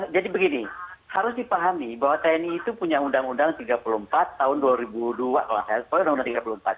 jadi begini harus dipahami bahwa tni itu punya undang undang tiga puluh empat tahun dua ribu dua kalau saya sepuluh undang undang tiga puluh empat